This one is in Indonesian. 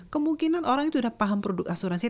kemungkinan orang itu sudah paham produk asuransi